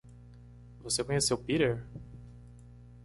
Você conheceu Peter?